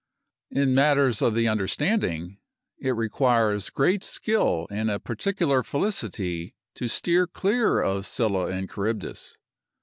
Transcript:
In matters of the understanding, it requires great skill and a particular felicity to steer clear of Scylla and Charybdis.